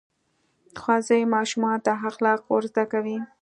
ښوونځی ماشومانو ته اخلاق ورزده کوي.